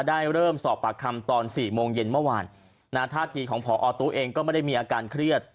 ได้เริ่มสอบปากคำตอน๔โมงเย็นเมื่อวานท่าทีของพอตู้เองก็ไม่ได้มีอาการเครียด